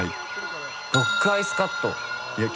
ロックアイスカット。